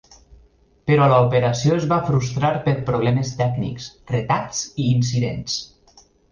Però la operació es va frustrar per problemes tècnics, retards i incidents.